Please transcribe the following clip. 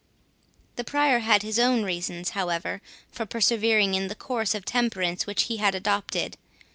The Prior had his own reasons, however, for persevering in the course of temperance which he had adopted.